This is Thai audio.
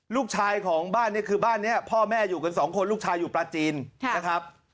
ลูกชายของบ้านนี้คือบ้านนี้พ่อแม่อยู่กันสองคนลูกชายอยู่ปลาจีนนะครับ